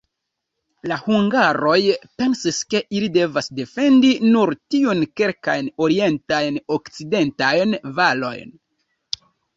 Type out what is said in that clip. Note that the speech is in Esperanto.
La hungaroj pensis, ke ili devas defendi nur tiujn kelkajn orientajn-okcidentajn valojn.